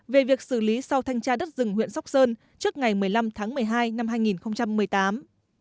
về việc xử lý sau thanh tra đất rừng huyện sóc sơn trước ngày một mươi năm tháng một mươi hai năm hai nghìn một mươi tám